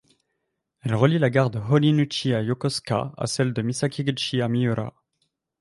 Elle relie la gare de Horinouchi à Yokosuka à celle de Misakiguchi à Miura.